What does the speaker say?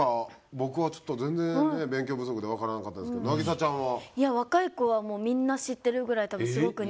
僕はちょっと全然勉強不足で分からなかったですけどなぎさちゃんは？